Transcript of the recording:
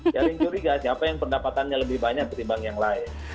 jaring curiga siapa yang pendapatannya lebih banyak ketimbang yang lain